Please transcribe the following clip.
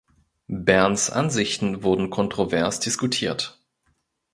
Berns’ Ansichten wurden kontrovers diskutiert.